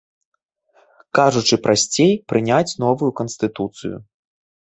Кажучы прасцей, прыняць новую канстытуцыю.